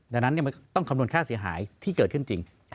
ดังนั้นมันต้องคำนวณค่าเสียหายที่เกิดขึ้นจริง